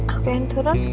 aku yang turun